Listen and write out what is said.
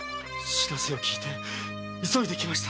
報せを聞いて急いで来ました。